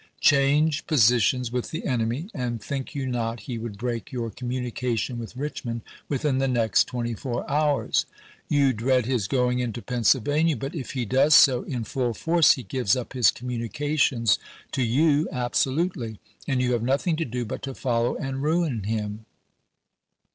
Change positions with the enemy, and think you not he would break 3'our communication with Richmond within the next twenty four hours ? You dread his going into Pennsylvania, but if he does so in full force, he gives up his communications to you abso lutely, and you have nothing to do but to follow and ruin him.